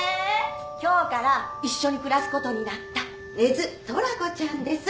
今日から一緒に暮らすことになった根津寅子ちゃんです